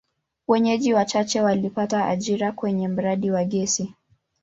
Wenyeji wachache walipata ajira kwenye mradi wa gesi.